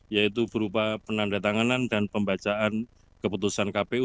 yaitu berupa penandatanganan dan pembacaan keputusan kpu